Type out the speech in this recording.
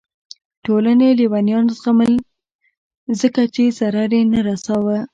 ټولنې لیونیان زغمل ځکه چې ضرر یې نه رسوه.